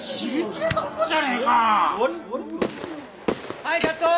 はいカット！